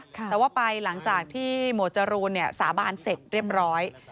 แต่ว่าไปหลังจากที่หมวดจรูนสาบานเสร็จเรียบร้อย